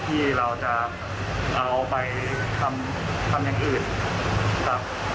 ที่เราจะเอาไปทำอย่างอื่นครับ